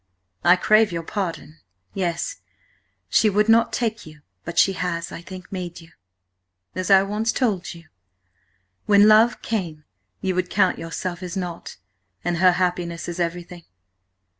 "I crave your pardon. Yes–she would not take you, but she has, I think, made you. As I once told you, when love came you would count yourself as nought, and her happiness as everything."